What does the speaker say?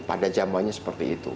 pada zamannya seperti itu